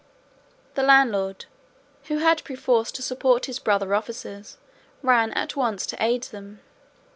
The landlord, who had perforce to support his brother officers, ran at once to aid them.